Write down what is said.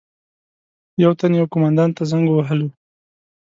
یو تن یو قومندان ته زنګ وهلو.